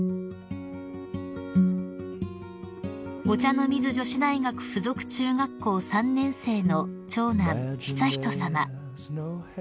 ［お茶の水女子大学附属中学校３年生の長男悠仁さま］